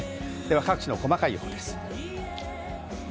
各地の細かい予報です。